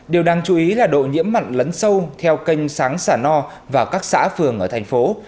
điều đáng chú ý là độ nhiễm mặn lấn sâu theo kênh sáng xả no vào các xã phường ở thành phố